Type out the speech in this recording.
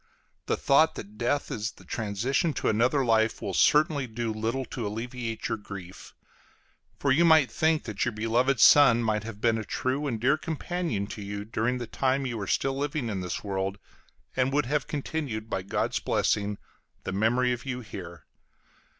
The thought that death is the transition to another life will certainly do little to alleviate your grief; for you might think that your beloved son might have been a true and dear companion to you during the time you are still living in this world, and would have continued, by God's blessing, the memory of you here.